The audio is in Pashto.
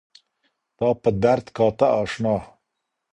تا په درد كاتــه اشــنـا